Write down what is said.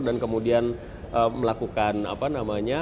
dan kemudian melakukan apa namanya